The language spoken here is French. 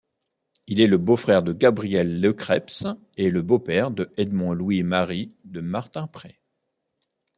Il est le beau-frère de Gabriel Lecreps et le beau-père de Edmond-Louis-Marie de Martimprey.